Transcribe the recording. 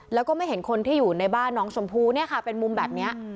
แล้วก็ไม่เห็นคนที่อยู่ในบ้านน้องชมพู่เนี่ยค่ะเป็นมุมแบบนี้